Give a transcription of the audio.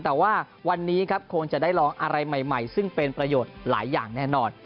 แต่ว่าวันนี้ครับคงจะได้ลองอะไรใหม่ซึ่งเป็นประโยชน์หลายอย่างแน่นอน